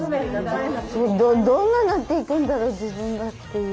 どんななっていくんだろう自分がっていう。